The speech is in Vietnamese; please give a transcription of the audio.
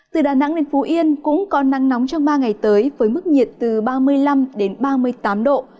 từ đà nẵng đến phú yên cũng có nắng nóng trong ba ngày tới với mức nhiệt từ ba mươi năm đến ba mươi tám độ